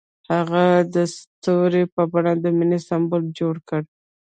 هغه د ستوري په بڼه د مینې سمبول جوړ کړ.